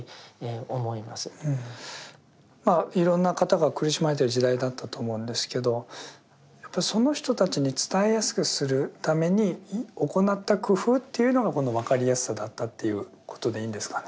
まあいろんな方が苦しまれてる時代だったと思うんですけどやっぱりその人たちに伝えやすくするために行った工夫というのがこの分かりやすさだったということでいいんですかね。